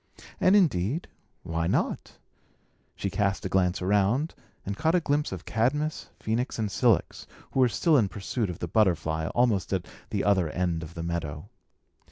And, indeed, why not? She cast a glance around, and caught a glimpse of Cadmus, Phœnix, and Cilix, who were still in pursuit of the butterfly, almost at the other end of the meadow.